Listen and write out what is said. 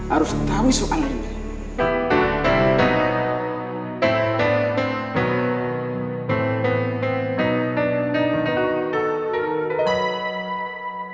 harus tahu soal ini